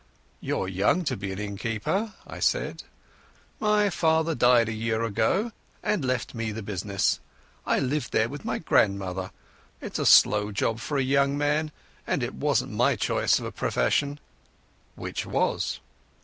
"You're young to be an innkeeper," I said. "My father died a year ago and left me the business. I live there with my grandmother. It's a slow job for a young man, and it wasn't my choice of profession." "Which was?"